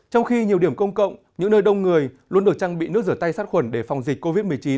trong khi nhiều điểm công cộng những nơi đông người luôn được trang bị nước rửa tay sát khuẩn để phòng dịch covid một mươi chín